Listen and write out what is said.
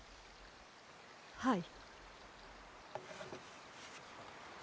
はい。